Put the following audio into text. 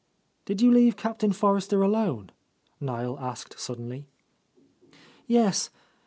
"Did you leave Captain Forrester alone?" Niel asked suddenly. "Yes.